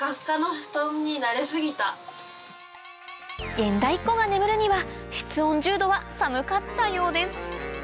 現代っ子が眠るには室温１０℃は寒かったようです